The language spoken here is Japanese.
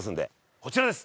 こちらです！